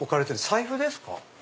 財布ですか？